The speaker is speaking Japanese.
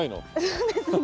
そうですね。